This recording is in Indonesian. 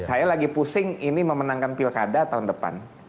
saya lagi pusing ini memenangkan pilkada tahun depan